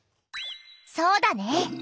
そうだね。